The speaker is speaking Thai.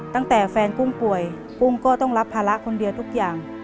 ตั้งแต่แฟนกุ้งป่วยกุ้งก็ต้องรับภาระคนเดียวทุกอย่าง